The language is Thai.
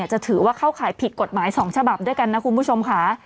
จะถือว่าเข้าข่ายผิดกฎหมาย๒ฉบับด้วยกันนะคุณผู้ชมค่ะ